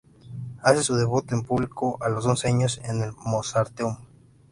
Hace su debut en público a los once años en el Mozarteum.